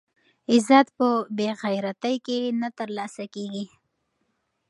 عزت په بې غیرتۍ کې نه ترلاسه کېږي.